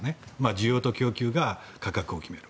需要と供給が価格を決める。